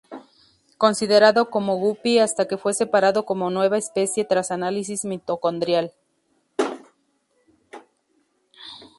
Considerado como guppy hasta que fue separado como nueva especie tras análisis mitocondrial.